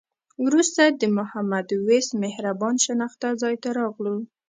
وروسته د محمد وېس مهربان شناخته ځای ته راغلو.